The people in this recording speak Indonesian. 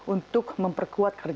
untuk memiliki program yang sudah ada